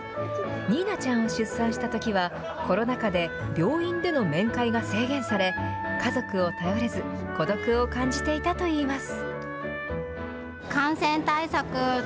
仁南ちゃんを出産したときは、コロナ禍で病院での面会が制限され、家族を頼れず、孤独を感じていたといいます。